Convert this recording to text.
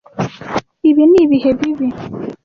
Ibi nibihe bibi.